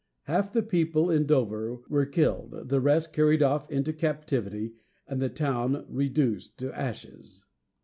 Half the people in Dover were killed, the rest carried off into captivity, and the town reduced to ashes.